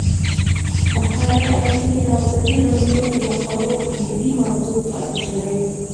بهرنۍ اړیکې د ازادي راډیو د مقالو کلیدي موضوع پاتې شوی.